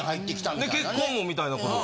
で結婚もみたいなことが。